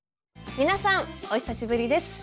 皆さん！お久しぶりです。